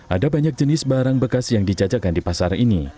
ada banyak jenis barang bekas yang dijajakan di pasar ini